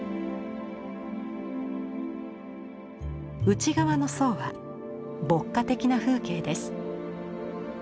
内側の層は牧歌的な風景です。